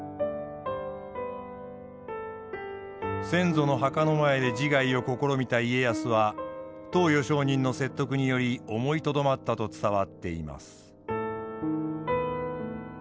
先祖の墓の前で自害を試みた家康は登譽上人の説得により思いとどまったと伝わっています。